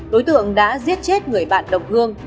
đối tượng đã giết chết người bạn đồng hương